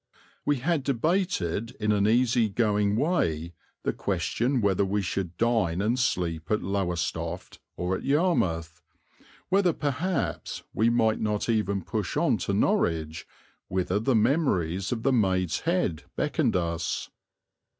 We had debated in an easy going way the question whether we should dine and sleep at Lowestoft or at Yarmouth; whether perhaps we might not even push on to Norwich whither the memories of the "Maid's Head" beckoned us.